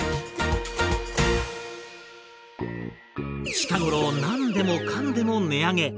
近頃何でもかんでも値上げ。